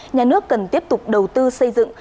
nhà nước cần tiếp tục đầu tư xây dựng